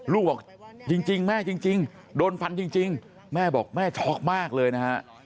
ลูกบอกจริงแม่จริงโดนฟันจริงแม่บอกแม่ช็อกมากเลยนะฮะ